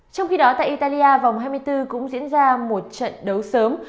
trong khi đó tại italia vòng hai mươi bốn cũng diễn ra một trận đấu sớm